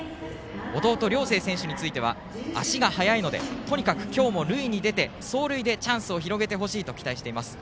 弟・梁成選手については足が速いのでとにかく今日も塁に出て、走塁でチャンスを広げてほしいと語っていました。